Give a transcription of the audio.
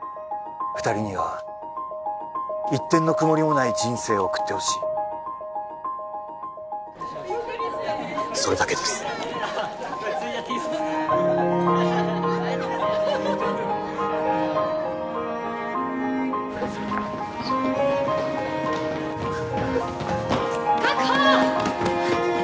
二人には一点の曇りもない人生を送ってほしいそれだけです確保！